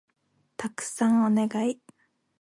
たくさんお願い